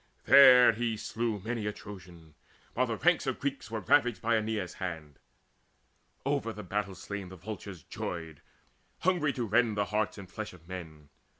There slew he many a Trojan, while the ranks Of Greeks were ravaged by Aeneas' hand. Over the battle slain the vultures joyed, Hungry to rend the hearts and flesh of men.